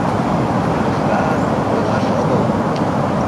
Ужга — ойлаш огыл...